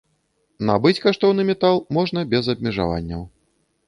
Набыць каштоўны метал можна без абмежаванняў.